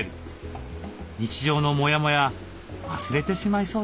日常のモヤモヤ忘れてしまいそうですね。